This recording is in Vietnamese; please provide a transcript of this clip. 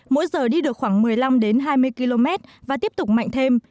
mỗi giờ đi được khoảng một mươi năm hai mươi km và tiếp tục mạnh thêm